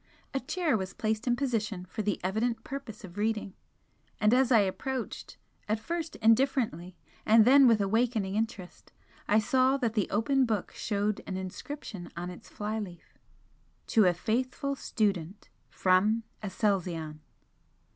A chair was placed in position for the evident purpose of reading and as I approached, at first indifferently and then with awakening interest, I saw that the open book showed an inscription on its fly leaf "To a faithful student. From Aselzion."